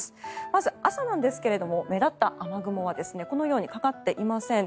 まず、朝なんですが目立った雨雲はこのようにかかっていません。